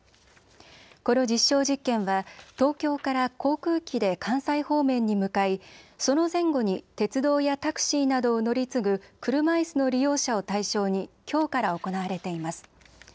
この実証実験は東京から航空機で関西方面に向かいその前後に鉄道やタクシーなどを乗り継ぐ車いすの利用者を対象にきょうから行われています。